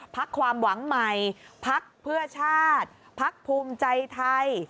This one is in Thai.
พักความหวังใหม่พักเพื่อชาติพักภูมิใจไทย